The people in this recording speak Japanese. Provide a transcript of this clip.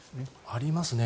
ありますね。